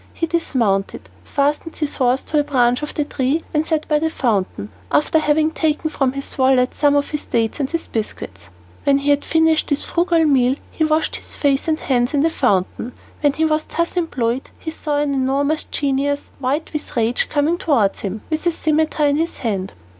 He dismounted, fastened his horse to a branch of the tree, and sat by the fountain, after having taken from his wallet some of his dates and biscuits. When he had finished this frugal meal he washed his face and hands in the fountain. When he was thus employed he saw an enormous genius, white with rage, coming towards him, with a scimitar in his hand.